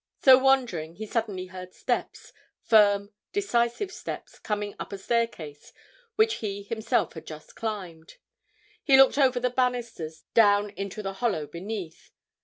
So wandering, he suddenly heard steps, firm, decisive steps coming up a staircase which he himself had just climbed. He looked over the banisters down into the hollow beneath.